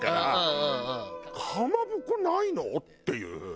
かまぼこないの？っていう。